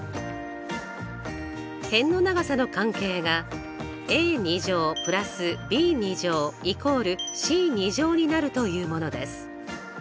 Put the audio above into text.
辺の長さの関係が＋ｂ＝ｃになるというものです。